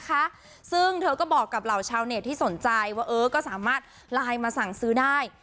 นะคะซึ่งเธอก็บอกกับเหล่าชาวเน็ตที่สนใจว่าเออก็สามารถไลน์มาสั่งซื้อได้